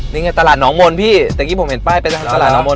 นี่ไงตลาดน้องมนพี่เมื่อกี้ผมเห็นใบ่เปล่าเป็นตลาดน้องมน